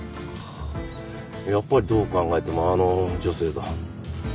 やっぱりどう考えてもあの女性だ。